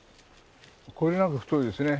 これなんか太いですね。